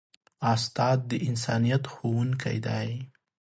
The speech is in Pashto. استاد د انسانیت ښوونکی دی.